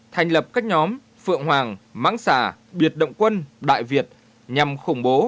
thành lập các nhóm phượng hoàng mãng xà biệt động quân đại việt nhằm khủng bố